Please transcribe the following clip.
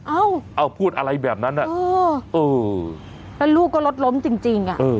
เอ้าเอ้าพูดอะไรแบบนั้นเออเออแล้วลูกก็ลดล้มจริงจริงอ่ะเออ